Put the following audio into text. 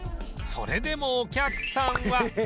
それでもお客さんは